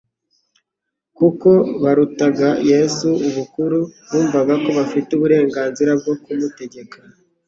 Kuko barutaga Yesu ubukuru, bumvaga ko bafite uburengeranzira bwo kumutegeka.